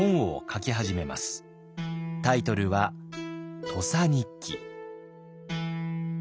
タイトルは「土佐日記」。